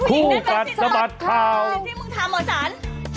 ผู้กัดสะบัดข่าวที่มึงทำเหรอฉัน